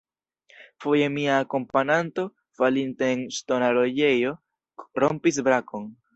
Foje mia akompananto, falinte en ŝtona rojejo, rompis brakon.